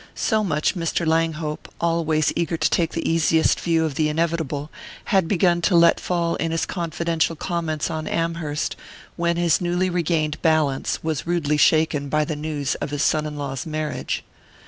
So much Mr. Langhope, always eager to take the easiest view of the inevitable, had begun to let fall in his confidential comments on Amherst; when his newly regained balance was rudely shaken by the news of his son in law's marriage.